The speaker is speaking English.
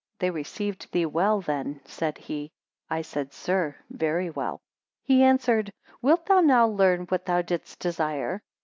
They received thee well then, said he? I said, Sir, very well. 107 He answered, Wilt thou now learn what thou didst desire?